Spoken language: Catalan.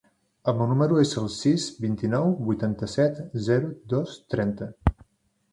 El meu número es el sis, vint-i-nou, vuitanta-set, zero, dos, trenta.